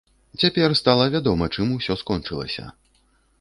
Цяпер стала вядома, чым усё скончылася.